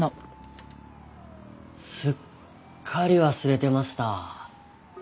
すっかり忘れてました。